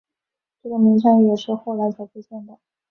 这个名称也是后来才出现的。